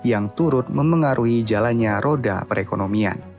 yang turut mempengaruhi jalannya roda perekonomian